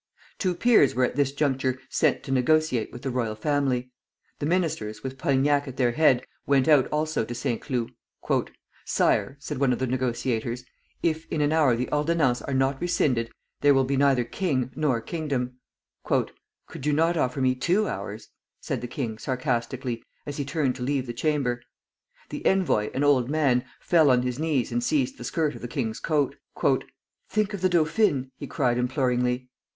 Two peers were at this juncture sent to negotiate with the royal family. The ministers, with Polignac at their head, went out also to Saint Cloud. "Sire," said one of the negotiators, "if in an hour the ordonnances are not rescinded, there will be neither king nor kingdom." "Could you not offer me two hours?" said the king, sarcastically, as he turned to leave the chamber. The envoy, an old man, fell on his knees and seized the skirt of the king's coat. "Think of the dauphine!" he cried, imploringly.